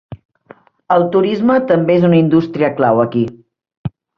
El turisme també és una indústria clau aquí.